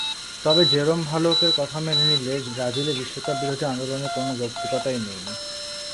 তবে জেরোম ভালকের কথা মেনে নিলে ব্রাজিলে বিশ্বকাপ-বিরোধী আন্দোলনের কোনো যৌক্তিকতাই নেই।